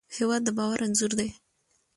هېواد د باور انځور دی.